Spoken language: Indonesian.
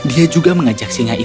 itu benar sno